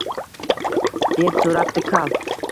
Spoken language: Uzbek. Deb so‘rabdi kal